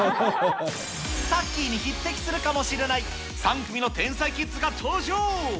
タッキーに匹敵するかもしれない、３組の天才キッズが登場。